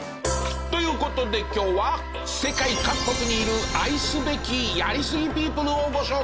という事で今日は世界各国にいる愛すべきやりすぎピープルをご紹介！